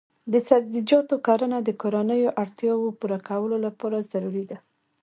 د سبزیجاتو کرنه د کورنیو اړتیاوو پوره کولو لپاره ضروري ده.